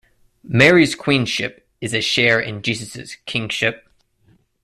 Mary's queenship is a share in Jesus' kingship.